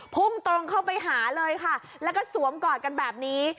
พุ่งตรงเข้าไปหาเลยค่ะแล้วก็สวมกอดกันแบบนี้